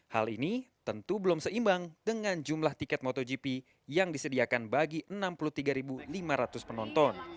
hal ini tentu belum seimbang dengan jumlah tiket motogp yang disediakan bagi enam puluh tiga lima ratus penonton